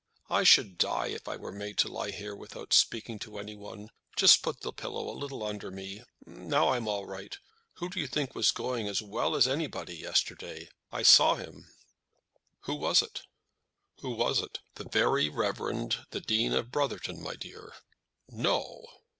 "I should die if I were made to lie here without speaking to any one. Just put the pillow a little under me. Now I'm all right. Who do you think was going as well as anybody yesterday? I saw him." "Who was it?" "The very Reverend the Dean of Brotherton, my dear." "No!"